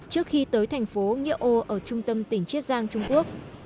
trước khi tới thành phố nghĩa âu ở trung tâm tỉnh chết giang trung quốc